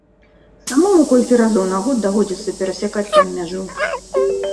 Самому колькі разоў на год даводзіцца перасякаць там мяжу.